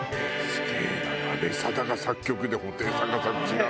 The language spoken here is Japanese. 「すげえなナベサダが作曲で布袋さんが作詞なんだ」